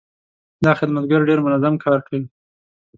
دا خدمتګر ډېر منظم کار کوي.